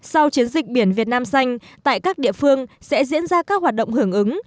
sau chiến dịch biển việt nam xanh tại các địa phương sẽ diễn ra các hoạt động hưởng ứng